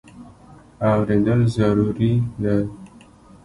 اورېدل ضروري دی.